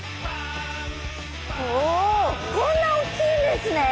おおこんな大きいんですね！